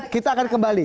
kita akan kembali